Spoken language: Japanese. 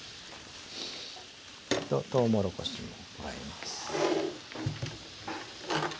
とうもろこしも加えます。